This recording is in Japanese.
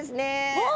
あっ！